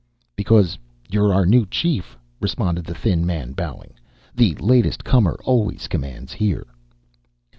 "Because you're our new chief," responded the thin man, bowing. "The latest comer always commands here."